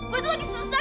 gue tuh lagi susah